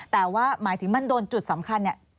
แต่ว่าหมายถึงมันโดนจุดสำคัญเนี่ย